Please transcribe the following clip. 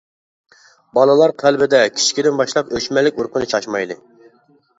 بالىلار قەلبىدە كىچىكىدىن باشلاپ ئۆچمەنلىك ئۇرۇقىنى چاچمايلى!